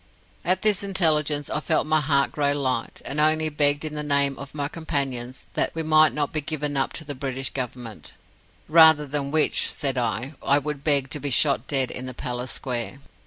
At this intelligence I felt my heart grow light, and only begged in the name of my companions that we might not be given up to the British Government; 'rather than which,' said I, 'I would beg to be shot dead in the palace square.'